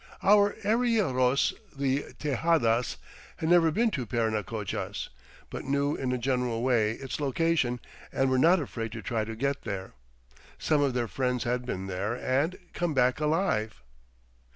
Our arrieros, the Tejadas, had never been to Parinacochas, but knew in a general way its location and were not afraid to try to get there. Some of their friends had been there and come back alive!